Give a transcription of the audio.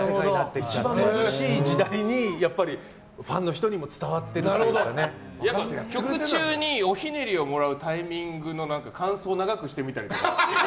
一番貧しい時代にファンの人にも曲中におひねりをもらうタイミングの間奏を長くしてみたりとか。